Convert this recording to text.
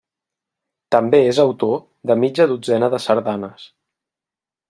També és autor de mitja dotzena de sardanes.